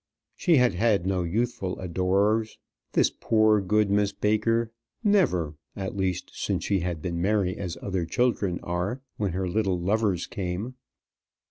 She had had no youthful adorers, this poor, good Miss Baker; never, at least, since she had been merry as other children are, "when her little lovers came."